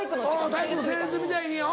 うん体育の整列みたいにうん。